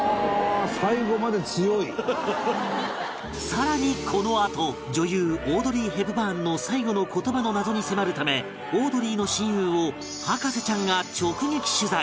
更にこのあと女優オードリー・ヘプバーンの最期の言葉の謎に迫るためオードリーの親友を博士ちゃんが直撃取材